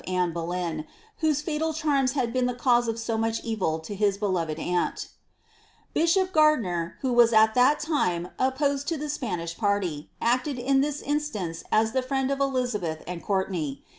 oTinne Boleyn, whose fatal charms had been the cause of so much evii 10 his beloved annt Bishop Gardiner, who was at that time opposed to the Spanish party, acted in this instance as the friend of Elizabeth and Couitenay.